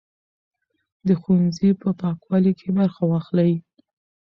د ښوونځي په پاکوالي کې برخه واخلئ.